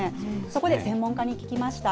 そこで、専門家に聞きました。